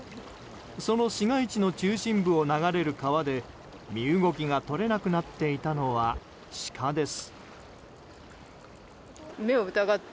その市街地の中心部を流れる川で身動きが取れなくなっていたのはシカです。